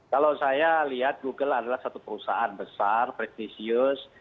kalau saya lihat google adalah satu perusahaan besar pretisius